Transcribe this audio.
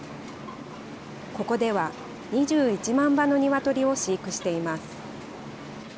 ここでは、２１万羽のニワトリを飼育しています。